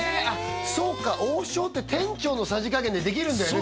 そっか王将って店長のさじ加減でできるんだよね